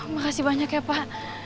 makasih banyak ya pak